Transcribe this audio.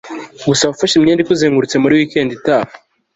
gusa wafashe imyenda ikuzengurutse, 'muri weekend itaha